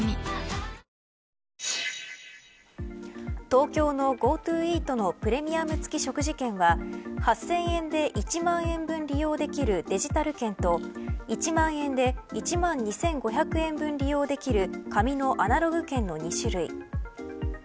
東京のＧｏＴｏイートのプレミアム付き食事券は８０００円で１万円分利用できるデジタル券と１万円で１万２５００円分利用できる紙のアナログ券の２種類。